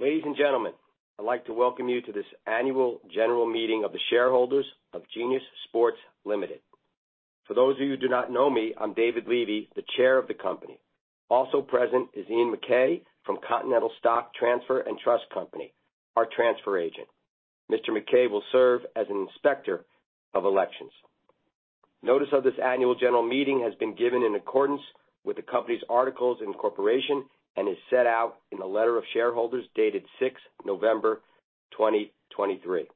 Ladies and gentlemen, I'd like to welcome you to this annual general meeting of the shareholders of Genius Sports Ltd. For those of you who do not know me, I'm David Levy, the Chair of the company. Also present is Ian McKay from Continental Stock Transfer and Trust Company, our transfer agent. Mr. McKay will serve as an Inspector of Elections. Notice of this annual general meeting has been given in accordance with the company's articles and corporation and is set out in the letter to shareholders dated 6th November 2023.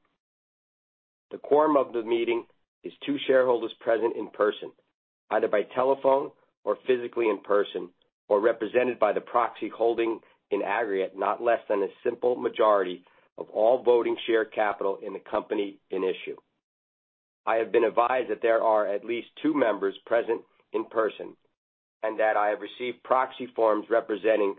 The quorum of the meeting is two shareholders present in person, either by telephone or physically in person, or represented by the proxy holding in aggregate not less than a simple majority of all voting share capital in the company in issue. I have been advised that there are at least two members present in person and that I have received proxy forms representing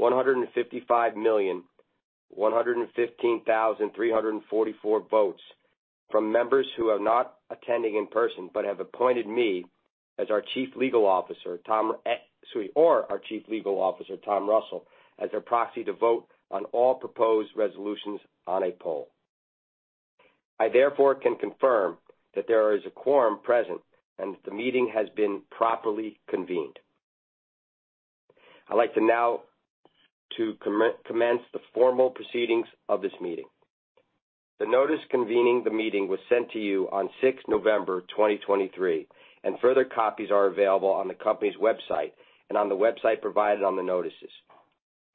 155,115,344 votes from members who are not attending in person but have appointed me or our Chief Legal Officer, Tom Russell, as their proxy to vote on all proposed resolutions on a poll. I therefore can confirm that there is a quorum present and that the meeting has been properly convened. I'd like to now commence the formal proceedings of this meeting. The notice convening the meeting was sent to you on 6th November 2023, and further copies are available on the company's website and on the website provided on the notices.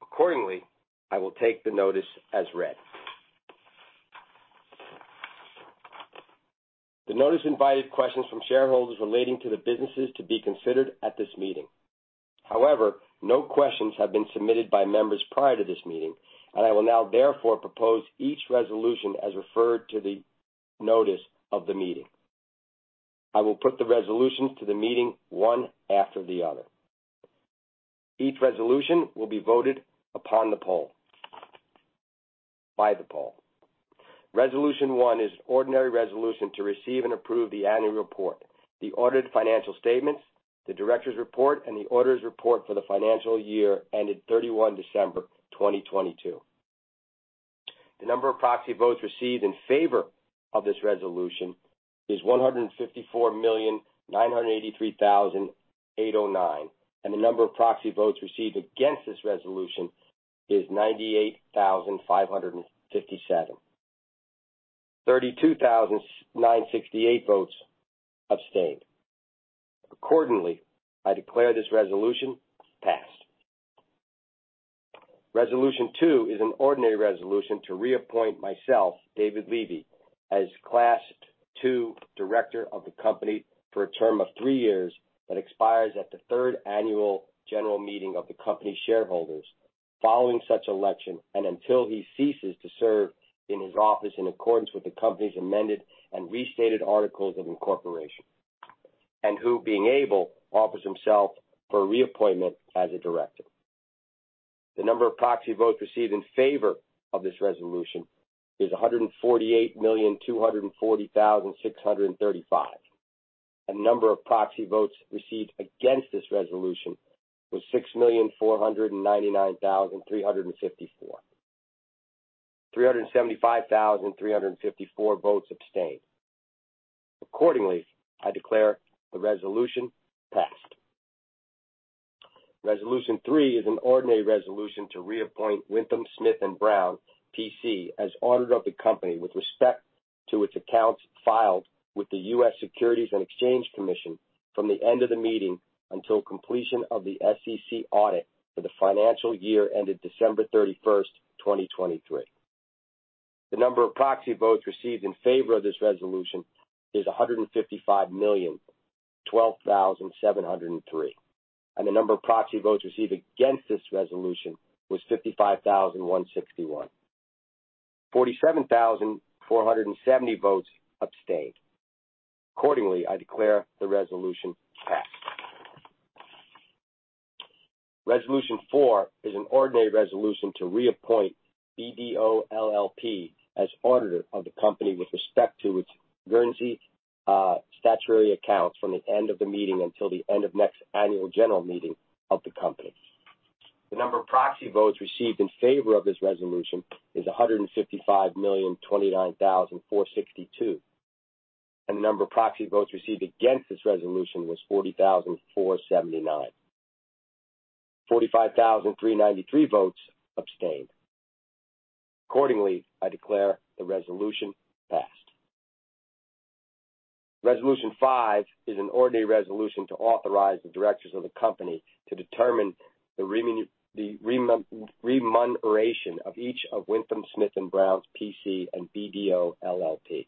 Accordingly, I will take the notice as read. The notice invited questions from shareholders relating to the businesses to be considered at this meeting. However, no questions have been submitted by members prior to this meeting, and I will now therefore propose each resolution as referred to in the notice of the meeting. I will put the resolutions to the meeting one after the other. Each resolution will be voted upon by the poll. Resolution one is an ordinary resolution to receive and approve the annual report, the audited financial statements, the Director's report, and the Auditor's report for the financial year ended 31 December 2022. The number of proxy votes received in favor of this resolution is 154,983,809, and the number of proxy votes received against this resolution is 98,557. 32,968 votes abstained. Accordingly, I declare this resolution passed. Resolution two is an ordinary resolution to reappoint myself, David Levy, as Class Two Director of the company for a term of three years that expires at the third annual general meeting of the company shareholders following such election and until he ceases to serve in his office in accordance with the company's amended and restated articles of incorporation and who, being able, offers himself for a reappointment as a director. The number of proxy votes received in favor of this resolution is 148,240,635, and the number of proxy votes received against this resolution was 6,499,354. 375,354 votes abstained. Accordingly, I declare the resolution passed. Resolution three is an ordinary resolution to reappoint WithumSmith+Brown, PC, as auditor of the company with respect to its accounts filed with the U.S. Securities and Exchange Commission from the end of the meeting until completion of the SEC audit for the financial year ended December 31st, 2023. The number of proxy votes received in favor of this resolution is 155,012,703, and the number of proxy votes received against this resolution was 55,161. 47,470 votes abstained. Accordingly, I declare the resolution passed. Resolution four is an ordinary resolution to reappoint BDO LLP as auditor of the company with respect to its Guernsey statutory accounts from the end of the meeting until the end of next annual general meeting of the company. The number of proxy votes received in favor of this resolution is 155,029,462, and the number of proxy votes received against this resolution was 40,479. 45,393 votes abstained. Accordingly, I declare the resolution passed. Resolution five is an ordinary resolution to authorize the directors of the company to determine the remuneration of each of WithumSmith+Brown, PC and BDO LLP.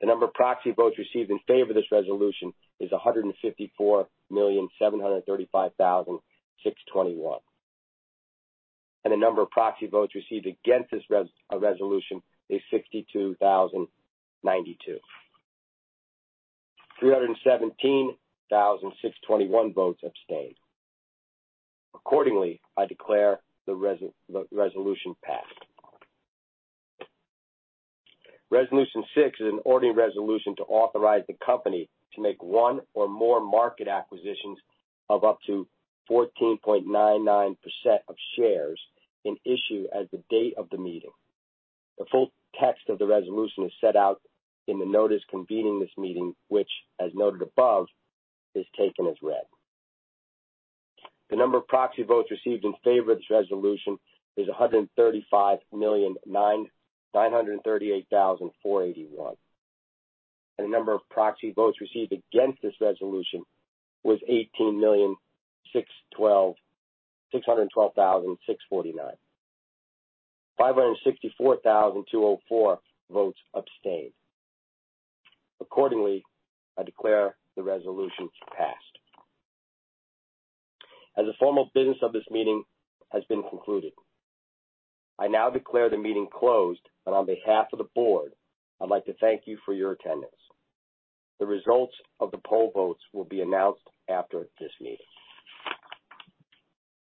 The number of proxy votes received in favor of this resolution is 154,735,621, and the number of proxy votes received against this resolution is 62,092. 317,621 votes abstain. Accordingly, I declare the resolution passed. Resolution six is an ordinary resolution to authorize the company to make one or more market acquisitions of up to 14.99% of shares in issue as the date of the meeting. The full text of the resolution is set out in the notice convening this meeting, which, as noted above, is taken as read. The number of proxy votes received in favor of this resolution is 135,938,481, and the number of proxy votes received against this resolution was 18,612,649. 564,204 votes abstain. Accordingly, I declare the resolution passed. As the formal business of this meeting has been concluded, I now declare the meeting closed, and on behalf of the board, I'd like to thank you for your attendance. The results of the poll votes will be announced after this meeting.